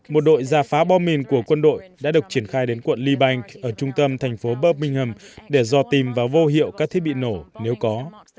một đội gia phá bom minh của quân đội đã được triển khai đến quận leebank ở trung tâm thành phố birmingham để do tìm và vô hiệu các thiết bị nổ nếu có